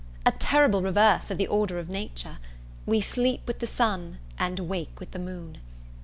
A terrible reverse of the order of nature! We sleep with the sun, and wake with the moon.